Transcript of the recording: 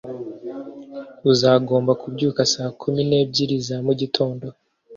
Uzagomba kubyuka saa kumi n'ebyiri za mugitondo.